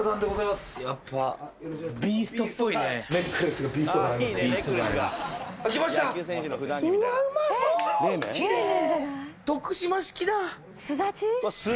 すだち？